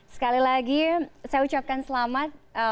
sekali lagi saya ucapkan selamat